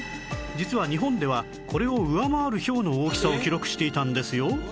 実は日本ではこれを上回るひょうの大きさを記録していたんですよ